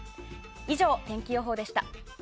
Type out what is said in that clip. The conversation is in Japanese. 以上、天気予報でした。